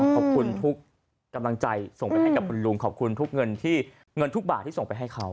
ขอบคุณทุกกำลังใจส่งไปให้กับคุณลุงขอบคุณทุกเงินที่เงินทุกบาทที่ส่งไปให้เขา